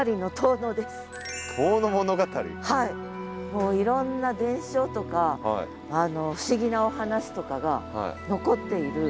もういろんな伝承とか不思議なお話とかが残っている里なんです。